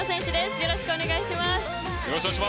よろしくお願いします。